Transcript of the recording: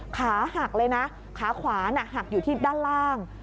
ขาหักเลยนะขาขวาน่ะหักอยู่ที่ด้านล่าง